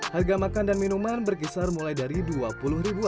harga makan dan minuman berkisar mulai dari rp dua puluh